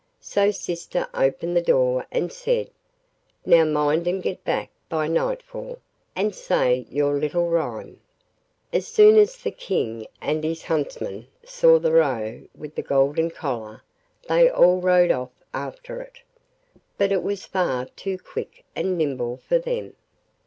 So sister opened the door and said, 'Now mind and get back by nightfall, and say your little rhyme.' As soon as the King and his huntsmen saw the Roe with the golden collar they all rode off after it, but it was far too quick and nimble for them.